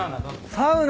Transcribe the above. サウナ！